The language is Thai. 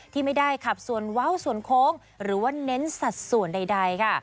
ที่ไม่ได้ขับส่วนเว้าส่วนโค้งหรือว่าเน้นสัดส่วนใดค่ะ